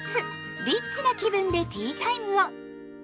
リッチな気分でティータイムを。